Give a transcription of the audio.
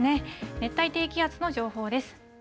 熱帯低気圧の情報です。